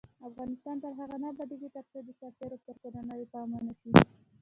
افغانستان تر هغو نه ابادیږي، ترڅو د سرتیرو پر کورنیو پام ونشي.